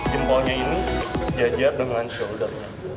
jempolnya ini sejajar dengan shouldernya